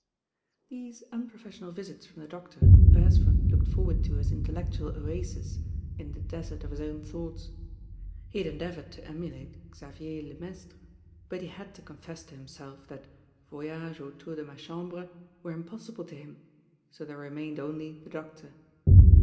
These unprofessional visits from the doctor Beresford looked forward to as intellectual oases in the desert of his own thoughts. He had endeav oured to emulate Xavier Le Maistre; but he had to confess to himself that Voyages Autour de ma Chamhre were impossible to him, so there remained only die doctor.